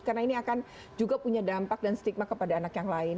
karena ini akan juga punya dampak dan stigma kepada anak yang lain